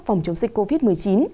phòng chống dịch covid một mươi chín